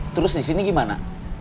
terus disini gimana